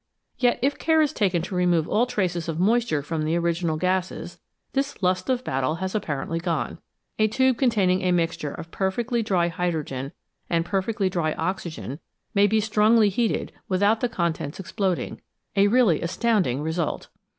Yet, if care is taken to remove all traces of moisture from the original gases, this lust of battle has apparently gone. A tube containing a mixture of per fectly dry hydrogen and perfectly dry oxygen may be strongly heated without the contents exploding a really astounding result.